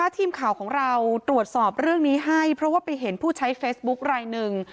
ทีมข่าวของเราตรวจสอบเรื่องนี้ให้เพราะว่าไปเห็นผู้ใช้เฟซบุ๊คลายหนึ่ง